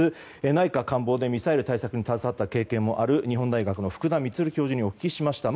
内閣官房でミサイルに携わった経験もある日本大学の福田充教授にお聞きしました。